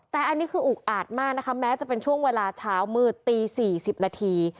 แต่อันนี้คืออุกอาดมากนะคะแม้จะเป็นช่วงเวลาเช้ามืดตี๔๐นาที